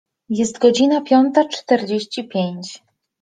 Jest godzina piąta czterdzieści pięć.